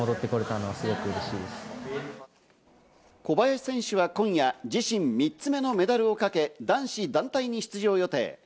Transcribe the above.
小林選手は今夜、自身３つ目のメダルをかけ男子団体に出場予定。